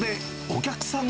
お客さん